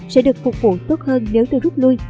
sẽ được phục vụ tốt hơn nếu tôi rút lui